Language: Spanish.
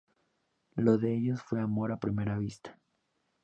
Lo de ellos fue amor a primera vista.